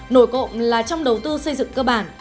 nổi cộng là trong đầu tư xây dựng cơ bản